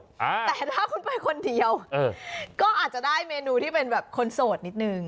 แต่ถ้าคุณไปคนเดียวเออก็อาจจะได้เมนูที่เป็นแบบคนโสดนิดนึง